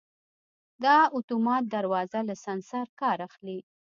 دا اتومات دروازه له سنسر کار اخلي.